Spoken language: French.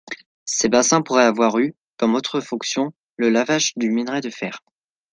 Ces bassins pourraient avoir eu, comme autre fonction, le lavage du minerai de fer.